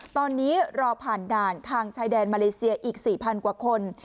ตอนนี้รอผ่านด่านทางชายแดนมาเลเซียอีก๔๐๐กว่าคน